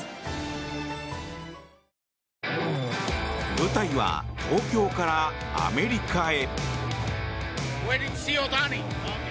舞台は東京からアメリカへ。